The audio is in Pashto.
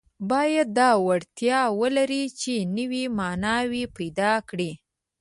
باید دا وړتیا ولري چې نوي معناوې پیدا کړي.